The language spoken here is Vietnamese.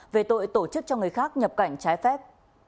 về tội tổ chức cho người khác nhập cảnh trái phép